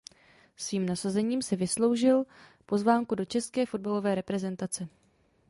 Svým nasazením si vysloužil pozvánku do české fotbalové reprezentace.